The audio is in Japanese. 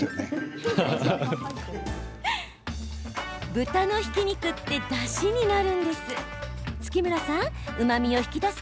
豚のひき肉ってだしになるんです。